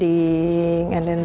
dan merenangkan otot